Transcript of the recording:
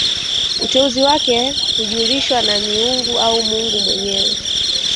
Uteuzi wake hujulishwa na miungu au mungu mwenyewe